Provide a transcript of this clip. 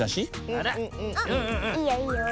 あっいいよいいよ。